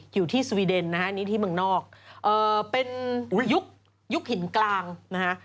อยู่ที่สวีเดนนะฮะนี่ที่เมืองนอกเป็นยุคหินกลางนะฮะ